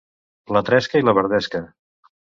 La tresca i la verdesca.